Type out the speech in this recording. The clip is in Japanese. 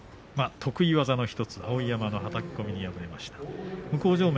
得意技の１つ碧山のはたき込みに敗れました。